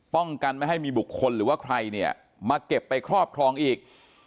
ป้องกันไม่ให้มีบุคคลหรือว่าใครเนี่ยมาเก็บไปครอบครองอีก